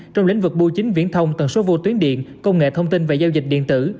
trong lĩnh vực bưu chính viễn thông tần số vô tuyến điện công nghệ thông tin và giao dịch điện tử